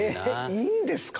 いいんですか？